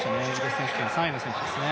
選手権３位の選手ですね。